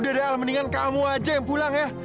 udah dah mendingan kamu aja yang pulang ya